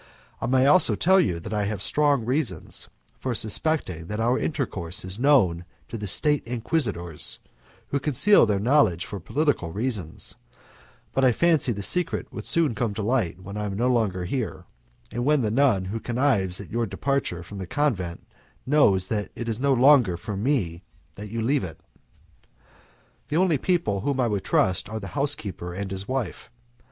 I may also tell you that I have strong reasons for suspecting that our intercourse is known to the State Inquisitors, who conceal their knowledge for political reasons, but I fancy the secret would soon come to light when I am no longer here, and when the nun who connives at your departure from the convent knows that it is no longer for me that you leave it. The only people whom I would trust are the housekeeper and his wife.